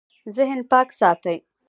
ذهن پاک ساتئ